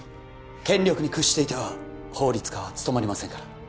権力に屈していては法律家は務まりませんから